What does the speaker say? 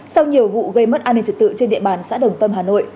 sau nhiều vụ gây mất an ninh trật tự trên địa bàn xã đồng tâm hà nội